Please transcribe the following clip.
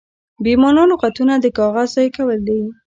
بې مانا لغتونه د کاغذ ضایع کول دي.